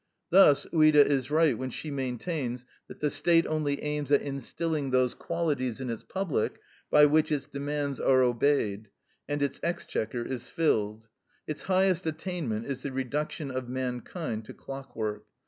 Thus Ouida is right when she maintains that "the State only aims at instilling those qualities in its public by which its demands are obeyed, and its exchequer is filled. Its highest attainment is the reduction of mankind to clockwork.